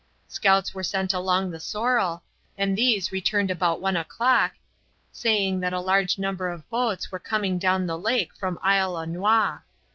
Scouts were sent along the Sorrel, and these returned about one o'clock, saying that a large number of boats were coming down the lake from Isle aux Noix.